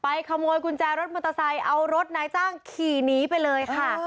ขโมยกุญแจรถมอเตอร์ไซค์เอารถนายจ้างขี่หนีไปเลยค่ะ